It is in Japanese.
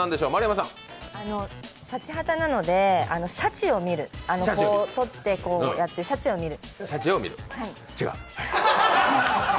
シャチハタなのでシャチを見る、取ってこうやって、シャチを見る。